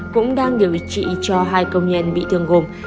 cũng đang điều trị cho hai công nhân bị thương gồm